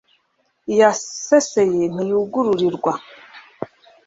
iyaseseye ntiyugururirwa